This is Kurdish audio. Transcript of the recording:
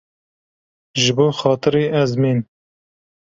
Ji bo xatirê ezmên.